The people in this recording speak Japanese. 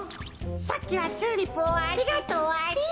さっきはチューリップをありがとうアリ。